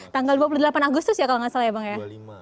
tanggal dua puluh delapan agustus ya kalau nggak salah ya bang ya